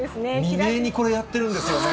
未明にこれ、やってるんですよね。